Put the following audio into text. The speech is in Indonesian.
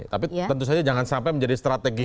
tapi tentu saja jangan sampai menjadi strategi